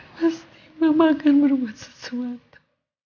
pasti mama akan berbuat sesuatu